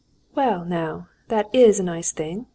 "Well, now, that is a nice thing.